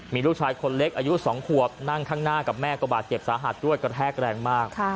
มีลูกชายคนเล็กอายุ๒ขวบนั่งข้างหน้ากับแม่ก็บาดเจ็บสาหัสด้วยกระแทกแรงมาก